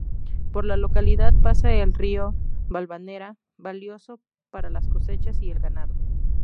Por la localidad pasa el río Valvanera, valioso para las cosechas y el ganado.